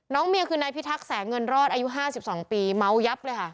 เมียคือนายพิทักษ์เงินรอดอายุ๕๒ปีเมายับเลยค่ะ